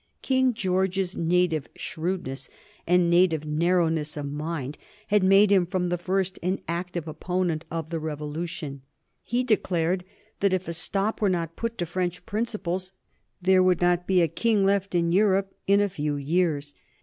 King George's native shrewdness and native narrowness of mind had made him from the first an active opponent of the Revolution. He declared that if a stop were not put to French principles there would not be a king left in Europe in a few years.